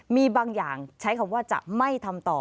มีบางอย่างใช้คำว่าจะไม่ทำต่อ